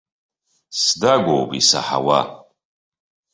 Сдагәоуп, исаҳауа!